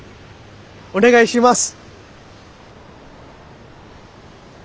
お願いします！